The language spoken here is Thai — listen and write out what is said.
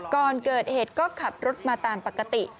ก่อนเกิดเหตุก็ขับรถมาตามปกติ